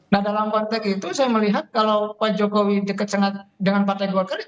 nah dalam konteks itu saya melihat kalau pak jokowi dekat dengan partai golkar